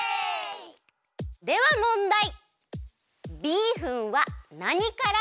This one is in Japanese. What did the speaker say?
ではもんだい！